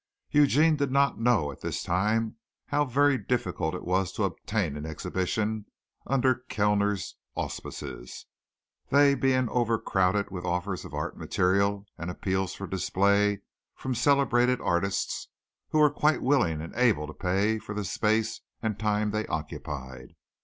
Eugene did not know at this time how very difficult it was to obtain an exhibition under Kellner's auspices, they being over crowded with offers of art material and appeals for display from celebrated artists who were quite willing and able to pay for the space and time they occupied.